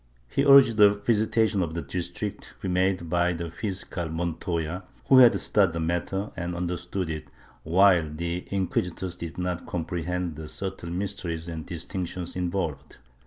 He urged a visitation of the district, to be made by the fiscal Montoya, who had studied the matter and understood it, while the inquisitors did not comprehend the subtile mysteries and distinctions involved.